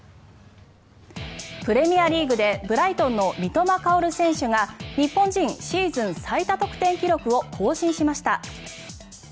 プレミアリーグでブライトンの三笘薫選手が日本人シーズン最多得点記録を更新しました。